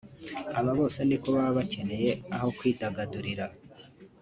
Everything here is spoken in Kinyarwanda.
Aba bose ni ko baba bakeneye aho kwidagadurira